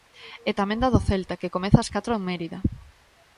E tamén da do Celta, que comeza ás catro en Mérida.